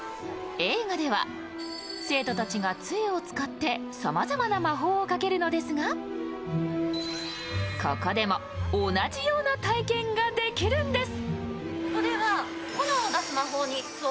映画では生徒たちが杖を使ってさまざまな魔法をかけるのですが、ここでも同じような体験ができるんです。